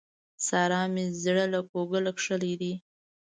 سارا مې زړه له کوګله کښلی دی.